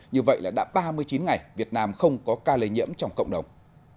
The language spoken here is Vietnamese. như vậy là đã ba mươi chín ngày việt nam không có ca lây nhiễm trong cộng đồng